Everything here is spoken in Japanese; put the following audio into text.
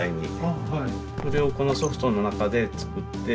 それをこのソフトの中で作って。